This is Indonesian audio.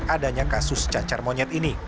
adanya kasus cacar monyet ini